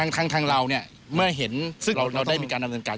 ทางเราเนี่ยเมื่อเห็นซึ่งเราได้มีการดำเนินการ